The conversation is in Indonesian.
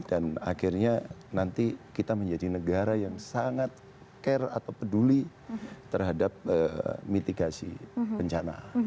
dan akhirnya nanti kita menjadi negara yang sangat care atau peduli terhadap mitigasi bencana